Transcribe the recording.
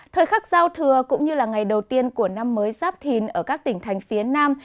thời khắc giao thừa cũng như là ngày đầu tiên của năm mới giáp thìn ở các tỉnh thành phía nam